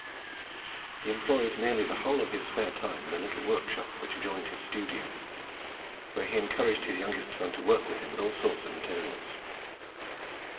He employed nearly the whole of his spare time in a little workshop which adjoined his studio, where he encouraged his youngest son to work with him in all sorts of materials.